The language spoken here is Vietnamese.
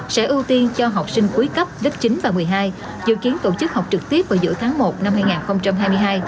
sẽ ưu tiên cho học sinh cuối cấp lớp chín và một mươi hai dự kiến tổ chức học trực tiếp vào giữa tháng một năm hai nghìn hai mươi hai